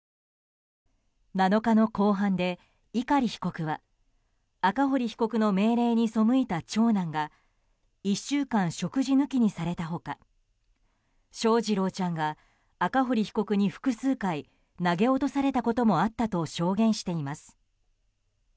７日の公判で碇被告は赤堀被告の命令に背いた長男が１週間食事抜きにされた他翔士郎ちゃんが赤堀被告に複数回投げ落とされたこともあったと証言しています。